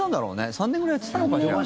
３年ぐらいやってたのかな。